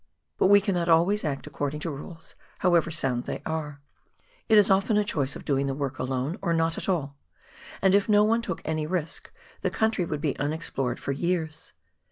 But we cannot always act according to rules, however sound they are ; it is often a choice of doing the work alone or not at all, and if no one took any risk, the country would be unexplored for years.